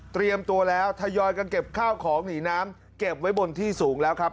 ตัวแล้วทยอยกันเก็บข้าวของหนีน้ำเก็บไว้บนที่สูงแล้วครับ